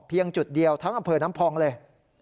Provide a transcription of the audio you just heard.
เพียงจุดเดียวทั้งอเภอน้ำพองเลย